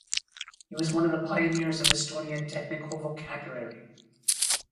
He was one of the pioneers of Estonian technical vocabulary.